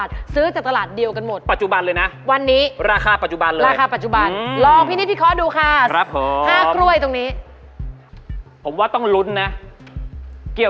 อ้าวตลกไม่ชอบจริงกล้วยนี้